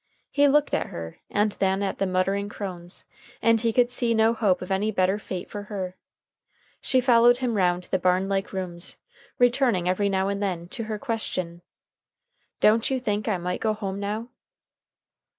He looked at her, and then at the muttering crones, and he could see no hope of any better fate for her. She followed him round the barn like rooms, returning every now and then to her question. "Don't you think I might go home now?"